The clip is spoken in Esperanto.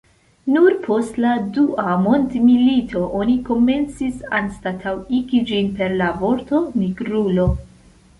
Nur post la dua mondmilito oni komencis anstataŭigi ĝin per la vorto "nigrulo".